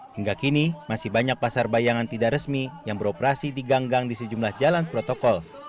hingga kini masih banyak pasar bayangan tidak resmi yang beroperasi di ganggang di sejumlah jalan protokol